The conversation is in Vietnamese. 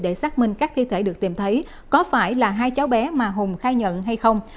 để xác minh các thi thể được tìm thấy có phải là hai cháu bé mà hùng khai nhận hay không